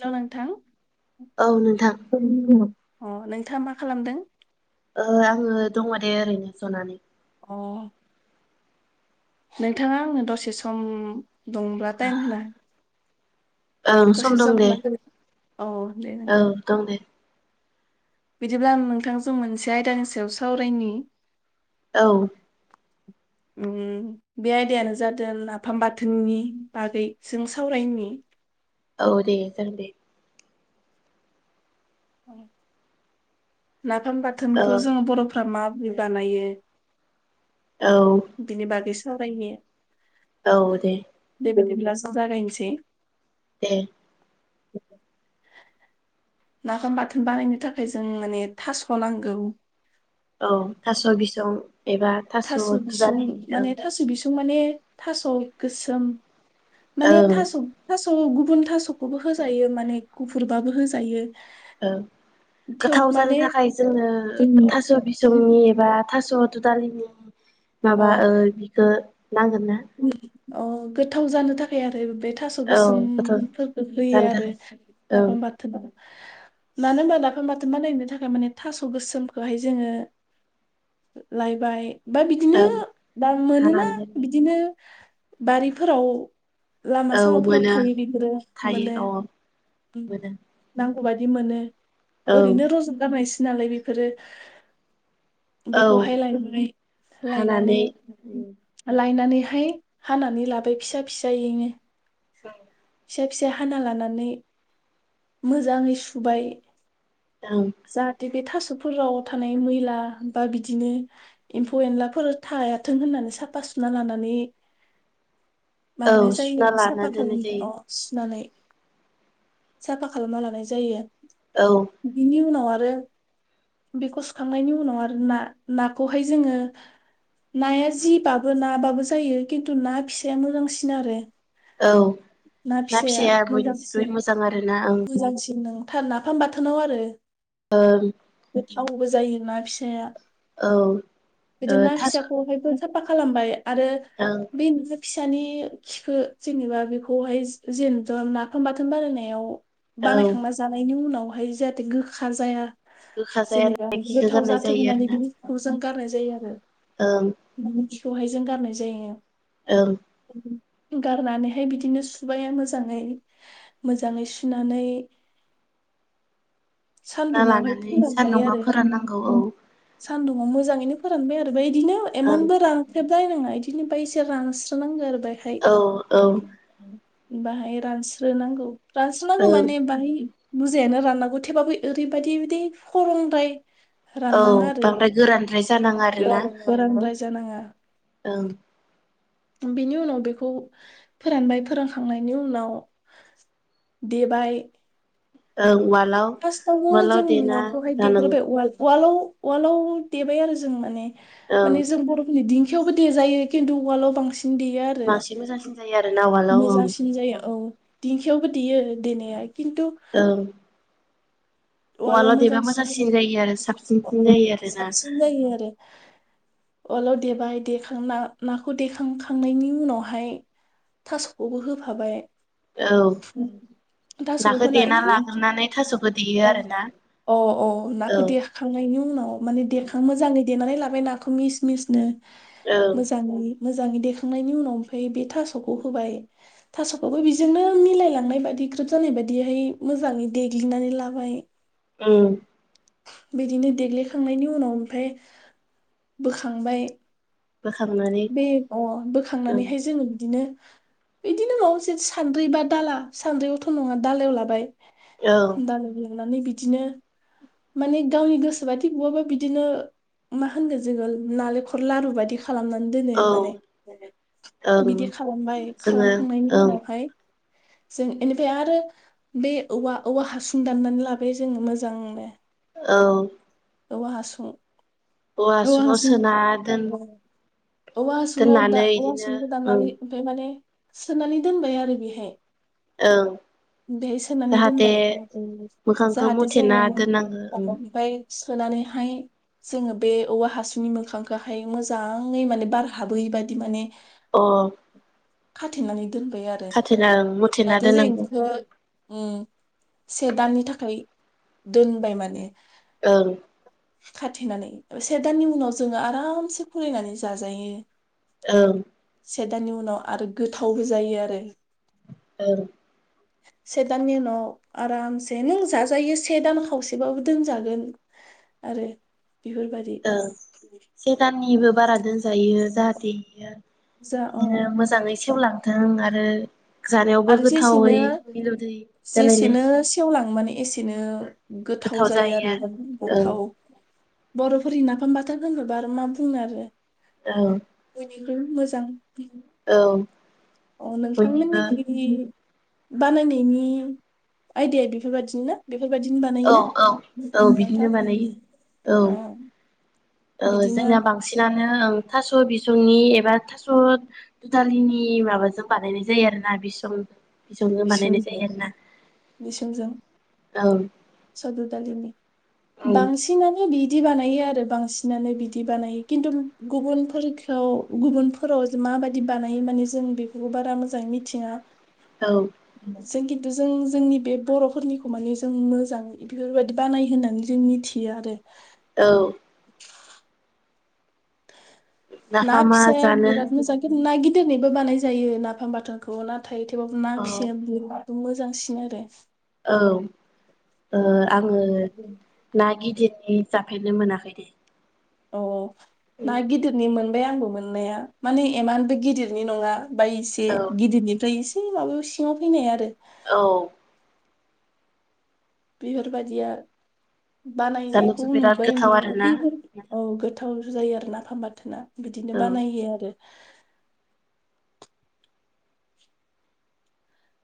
ल नोंथां। औ नोंथां [inaudible] अ नोंथाङा मा खालामदों? ओ आङो दङ दे ओरैनो जनानै। अ नोंथाङा आंनो दसे सम दंब्ला टाइम होना ओं दसे सम दं दे होना होगोन औ दे औ नोंथां दं दे। बिदिब्ला नोंथांजों मोनसे आयदानि सायाव सावरायनि। औ ओम बे आयदायानो जादों नाफाम बाथोननि बागै जों सावरायनि। औ दे जागोन दे। [inaudible] नाफाम औ बाथोनखौ जोङो बर'फ्रा मा बानायो। औ बिनि बागैसो सावरायनो औ दे। बिदिब्ला जो जागायनोसै। दे। नाफाम बाथोन बानायनो थाखाय जों माने थास नांगौ। औ थास' बिसं एबा थास दुदालिनिदों। बिस माने थास गोसोम। माने ओं थास' थास' थ गुबुन थासखौबो होजायो माने गुफुरबाबो होजायो। ओ थेव गोथाव जानो माने थाखाय जोङो गो- थास बिसंनि एबा थास दुदालिनि माबा ओ बिखौ ओम अ गोद थाव जानो थाखाय आरो बे थास औ गोथाव गोसोमफोरखौ होयो जानो आरो थाखाय ओं नाफाम बाथोनाव। मानो होनबा नाफाम बाथोन बानायनो थाखाय माने थास गोसोमखौहाय जोङो लायबाय बा बिदिनो ओं दाम मोनोना। हानानै दोनबाय बारिफोराव लामा औ सामाफोराव मोनो थायो बेफोरो मोनो थायो अ उम मोनो नां ख बायदि मोनो। ओं ओरैनो रज गारनायसो जालाय बेफोरो। औ बेखौहाय लायबाय लायनानै हानानै लायनानैहाय हानानै लाबोयो फिसा फिसायैनो। दों फिसा फिसा हाना लानानै मोजाङै सुबाय ओं जाहाथे बे थास' फोराव थानाय मैला बा बिदिनो एम्फौ एनलाफोर थायाथों होननानै साफा सुना लानानै माबानाय औ जायो सुना आरो लाना साफा दोननाय जायो खालाम सुनानै साफा खालामना लानाय जायो। औ बिनि उनाव आरो बेखौ सुखांनायनि उनाव आरो ना नाखौहाय जोङो नाया जिबाबो नाबाबो जायो खिनथु ना फिसाया मोजांसिन आरो औ ना फिसाया बयनिख्रुइ मोजां आरो ना ओं। गोनांथार नाफाम बाथोनाव आरो ओं [unintelligible] गोथावबो जायो ना फिसा [unintelligible] औ ओ थास' फिसाखौहायबो साफा खालामबाय आरो ओं बे [unintelligible] फिसानि खिखो जेनोबा बेखौहाय जेनोबा नाफाम बाथोन बानायनायाव औ बानायखांना जानायनि उनाव बेवहाय जाहाथे गो खा जाया गोखा जेनोबा जायालासे खिखौ गोथाव गारनाय जाथों जायो होननानै आरोना बिनिखौ जों गारनाय जायो आरो ओं बिखौहाय जों गारनाय जायो। ओं गारनानैहाय बिदिनो सुबाय मोजाङै मोजाङै सुनानै सुना सान्दुङावहाय लानानै सान्दुंआव फोराननांगौ औ सानदुङाव मोजाङैनो फोरानबाय आरो बै बिदिनो ओं इमानबो रांख्रेब लायनांया इदिनो ओमफ्राय एसे रानस्रो नांगौ आरो बैहाय औ औ [unintelligible] बाङाय रानस्रोनांगौ रानस्रोनांगौ ओं माने बाङाइ बुरजायानो राननांगौ थेबाबो ओरैबायदि बिदि खरंद्राय औ राननाङा आरो बांद्राय गोरानद्राय जानाङा आरो ना गोरानद्राय जानाङा औ। बेनि उनाव बेखौ फोरानबाय फोरानखांनायनि उनाव देबाय औ उवा फार्स्टआवनो जों नाखौहाय लानांगौ देग्रोबाय उवाल उवालाव उवालाव देबाय आरो जों माने ओं माने जों बर'फोरनि दिं खियावबोे देजायो खिनथु उवालाव बांसिन देयो आरो बांसिन मोजांसिन जायो आरोना उवालाव ओं मोजांसिन जायो। औ। दिंखियावबो देयो देनाया खिनथु ओं उवालाव देबा मोजांसिन जायो आरो साबसिनसिन जायो आरोना साबसिन जायो आरो उवालाव देबाय देखांना नाखौ देखांखांनायनि उनावहाय थासखौबो होफाबाय। औ नाखो देना लाग्रोनानै थास'खौ दे औ अ औ नाखौ देखांनायनि उनाव माने देखां मोजाङै देनानै लाबाय नाखौ मिस मिसनो औ मोजाङै मोजाङै देखांनायनि उनाव ओमफ्राय बे थास'खौ होबाय थास'खौबो बिजोंनो मिलायलांनायबादि ग्रोब जानाय बायदिहाय मोजाङै देग्लिनानै ला बाय उम। बिदिनो देग्लिखांनायनि उनाव ओमफ्राय बोखांबाय बोखांनानै बे अ ओं बोखांनानैहाय जों बिदिनो बिदिनो नवाव [unintelligible] सानद्रि बा दाला सानद्रियावथ नङा दालायाव लाबाय औ [unintelligible] नानै बिदिनो माने गावनि गोसोबादि बहाबा बिदिनो मा होनगोन जोङो नालेंखर लारु बादि खालामनानै दोनो औ माने ओं बिदि खालामबाय जोङो खालामखांनायनि ओं उनावहाय जों एनिफ्राय आरो बे औवा औवा हासुं दानानै लाबोयो जोङो मोजांनो औ। औवा हासुं औवा हासुङाव हासुं, सोना दोन [unintelligible] औवा हासुङाव दोननानै दा-औवा इदिनो हासुंखौ ओं दाननानै ओमफ्राय माने सोनानै दोनबाय आरो बेहाय ओं बेहाय सोनानै जाहाथे दोनबाय। मोखांखौ जाहाथे मुथेना जोङो दोननांगो ओमफ्राय सोनानैहाय जोङो बे औवा हासुनि मोखांखौहाय मोजाङै माने बार हाबैबादि माने अ। खाथेनानै दोनबाय आरो खाथेना ओं मुथेना जाथे जों दोननांगौ एखौ उम से दाननि थाखाय दोनबाय माने ओं खाथेनानै से दाननि उनाव जोङो आरामसे खुलिनानै जाजायो। ओं से दानि उनाव आरो गोथावबो जायो आरो औ से दाननि उनाव आरामसे नों जाजायो से दान खावसेबाबो दोनजागोन। आरो बेफोरबायदि ओ से दाननिबो बारा दोनजायो जाहाथे इयो जा अ बिदिनो मोजाङै सेवलांथों आरो जानायावबो आरो जेसेनो गोथावै मिलौदोयै जालायनाय जेसेनो सेवलाङो माने एसेनो गोथाव जायो आरो गोथाव बर'फोरनि नाफाम बाथोन होनोबा आरो मा बुंनो आरो औ बेफोर मोजां औ अ बयनिबो नोंथांमोननिखि बानायनायनि आयदाया बेफोरबायदिनो ना बे औ औ औ बिदिनो बानायो अ औ औ बिदिनो जोंनिया बांसिनानो ओं थास' स' बिसंनि एबा थास' दुदालिनि माबाजों बानायनाय जायो आरोना बिसं बिसंजों बानायनाय बिसुंजो जायो आरोना औ सद दुदालिनि औ बांसिनानो बि दि बानायो आरो बांसिनानो बिदि बानायो खिन्थु गुबुन फोरखौ गुबुन फोराव माबायदि बानायो माने जों बेफोरखौ बारा मोजाङै मिथिङा। औ जों खिन्थु जों जोंनि बे बर'फोरनिखौ माने जों मोजां इफोरबायदि बानायो होननानै जों मिथियो आरो। औ ना नाफामा फिसाया जानो बिराद मोजां औ खिन्थु ना गिदिरनि बो बानाय जायो नाफाम बाथोनखौ ना थायो थेबाबो ना औ फिसिया बुहुद मोजांसिन आरो। औ ओ आङो ना गिदिर इदि जाफेरनो मोनाखै दै। औ, औ ना गिदिरनि मोन मोनबाय आंबो मोननाया माने एमानबो गिदिरनि नङा। बा एसे औ गिदिरनिफ्राय एसे ओइ माबायाव सिङाव फैनाय आरो औ बेफोरबादिया जानोथ' बानायनायखौ बिराद नुबाय गोथाव आरोना नुनाया [unintelligible] नोंथां औ गोथाव। जायो आरो नाफाम बाथोना। बिदिनो औ बानायो आरो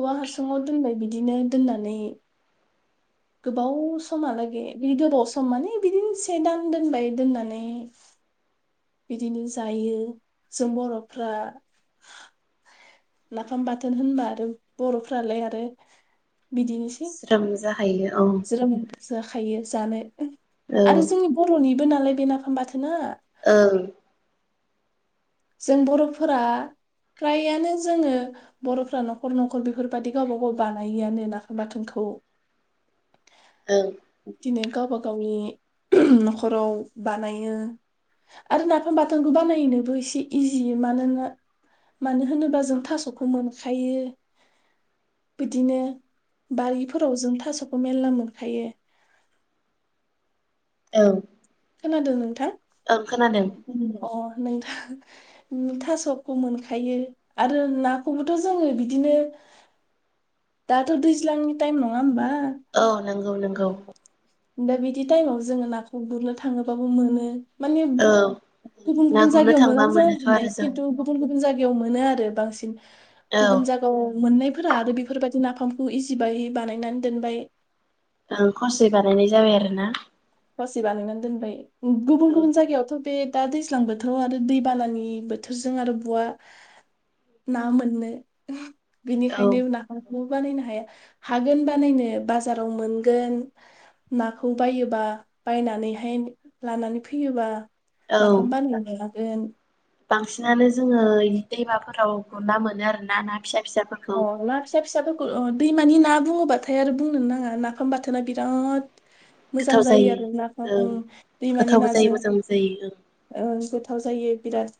औवा हासुङाव दोनबाय बिदिनो दोननानै गोबाव समहालागै बे गोबाव सम माने बिदिनो से दान दोनबाय, दोननानै बिदिनो जायो जों बर'फ्रा नाफाम बाथोन होनबा आरो बर'फ्रालाय आरो बिदिनोसै जाखायो। ज्रोम जाखायो जानो आरो ओं जोंनि बर'निबो नालाय बे नाफाम बाथोन ओं जों बर'फोरा फ्राय आनो जोङो बर'फोरा नखर नखर बेफोरबायदि गावबा गाव बानायोआनो नाफाम बाथोनखौ। ओं बिदिनो गावबा गावनि ओहोम न'खराव बानायो आरो नाफाम बाथोनखौ बानायनोबो एसे इजि मानोना मानो होनोबा जों थास'खौ मोनखायो बिदिनो बारिफोराव जों थास'खौ मेरला मोनखायो। औ खोनादों? थां अ नोंथां [unintelligible] थास'खौ मोनखायो आरो नाखौबोथ जोङो बिदिनो दाथ' दैज्लांनि टाइम नङा होमबा? औ नोंगौ, नोंगौ। दा बिदि टाइमाव जोङो नाखौ गुरनो थां थाङोबाबो मोनो। माने औ गुबुन ना गुबुन गुरनो जायगायाव थांबा मोनाबो जानो मोनोथ' हानाय आरो जों खिन्थु गुबुन गुबुन जायगायाव मोनो आरो बांसिन औ गुबुन जागाव मोननायफोरा आरो बेफोरबा नाफामखौ इसिबाहि बानायनानै दोनबाय। ओं खसे बानायनाय जाबाय आरो ना? खसे बानायनानै दोनबाय गुबुन औ गुबुन जायगायावथ' बे दा दैज्लां बोथोराव आरो दैबानानि बोथोरजों आरो बुआ ना मोननो। औ बिनिखायनो नाफाम ब बानायनो हाया हागोन बानायनो बाजाराव मोनगोन नाखौ बायोबा बायनानैहाय लानानै फैयोबा। औ नाफाम बान [unintelligible] गोन। बांसिनानो जोङो दैमाफोराव गुरना मोनो आरो ना ना फिसा अ फिसाफोरखौ ना फिसा फिसाफोरखो ओ दै मानि ना बुङोबाथाय आरो बुंनोनो नाङा नाफाम बाथोना बिराद मोजां गोथाव जायो आरो नाफाम ओं उम दैमानि गोथावबो जायो नाजों मोजांबो जायो ओं बो गोथाव जायो बिराद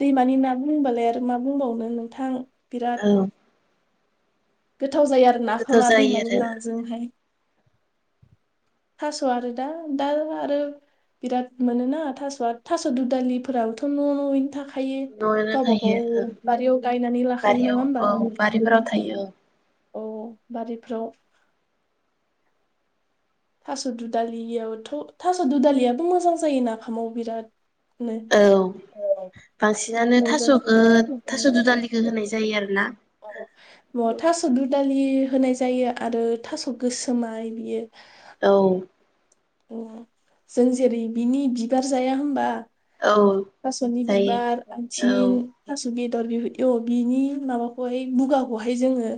दैमानि ना बुंबालाय आरो मा बुंबावनो नोंथां। बिराद ओं औ गोथाव जायो आरो गोथाव नाफामा जायो दैमानि आरो नाजोंहाय। थास आरो दा दा आरो बिराद मोनोना थासआ थास दुदालिफोराबोथ न नयैनो थाखा खायो न'आवनो गावबा थायो ओं गाव बारियाव गायनानै लाखायो बारियाव नङा होमबा। औ बारिफोराव थायो औ बारिफ्राव। थास दुदालियावथ थास दुदालियाबो मोजां जायो नाफामाव बिराद नों औ औ बांसिनानो थास'खौ थास' दुदालिखौ होनाय जायो आरोना [inaudible] थास दुदालि होनाय जायो आरो थास गोसोमाय बियो औ। उम जों जेरै बिनि बिबार जाया होमबा औ थासनि जायो बिबार औ आथिं थास बेद दर बेबो एव बिनि माबाखौहाय बुगाखौहाय जोङो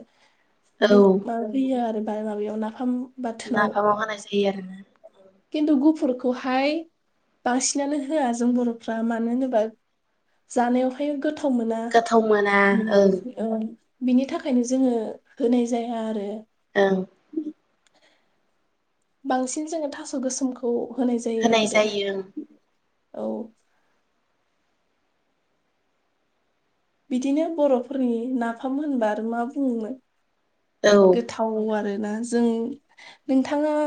बु औ माबा होयो आरो आर माबायाव नाफाम बाथोनाव नाफामाव होनाय जायो आरो ना। खिन्थु गुफुरखौहाय बांसिनानो होआ जों बर'फ्रा मानो होनोबा जानायावहाय गोथाव। गोथाव मोना गोथाव मोना ओं मोनासै ओं। बिनि थाखायनो जोङो होनाय जाया आरो। ओं। बांसिन जोङो थास गोसोमखौ। जायो होनाय आरो जायो ओं। औ। बिदिनो बरफोरनि नाफाम होनबा आरो मा बुंनो। ओं गोथाव आरो। ना जों नोंथाङा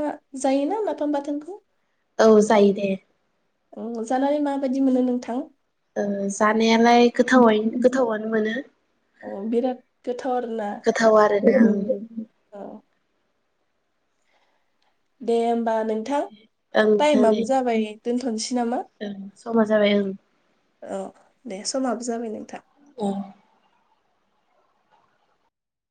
जायोना माफाम बाथोनखौ? औ जायो दे। औ जानानै माबायदि मोनो नोंथां? ओ जानायालाय गोथावै गोथावानो मोनो। अ बिराद गोथा थरना गोथाव आरोना ओं [unintelligible] आ दे उम। बा नोंथां ओं नोंथां दे टाइमाबो जाबाय। दोनथ'नोसै नामा ओं समा जाबाय ओं औ दे समाबो जाबाय नोंथां। औ